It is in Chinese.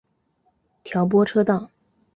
调拨车道。